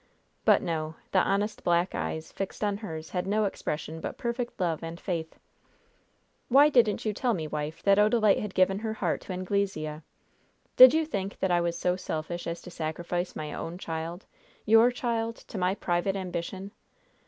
But no! The honest black eyes fixed on hers had no expression but perfect love and faith. "Why didn't you tell me, wife, that Odalite had given her heart to Anglesea? Did you think that I was so selfish as to sacrifice my own child your child to my private ambition?